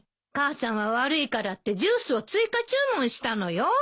母さんは悪いからってジュースを追加注文したのよ。